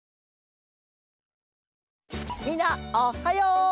みんなおっはよう！